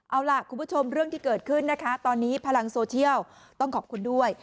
เอาล่ะคุณผู้ชมเรื่องที่เกิดขึ้นนะคะตอนนี้พลังโซเชียลต้องขอบคุณด้วย